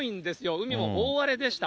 海も大荒れでした。